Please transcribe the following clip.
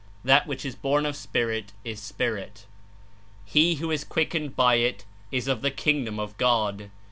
That which is born of Spirit Is spirit'." He who is quickened by it is of the Kingdom of God.